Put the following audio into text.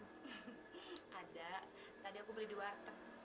ada tadi aku beli dua rupiah